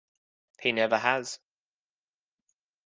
He never has.